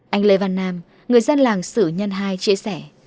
anh lê văn nam người dân làng sử nhân hai chia sẻ